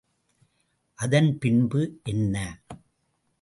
அதன் பின்பு என்ன?